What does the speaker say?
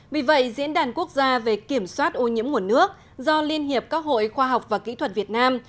vì vậy diễn đàn quốc gia về kiểm soát ô nhiễm nguồn nước do liên hiệp các hội khoa học và kỹ thuật việt nam